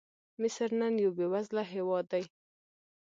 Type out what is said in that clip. مصر نن یو بېوزله هېواد دی.